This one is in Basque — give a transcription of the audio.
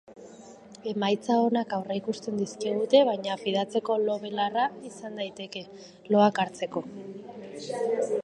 Emaitza onak aurreikusten dizkigute, baina fidatzeko lo-belarra izan daiteke, loak hartzeko.